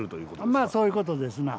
まあそういう事ですな。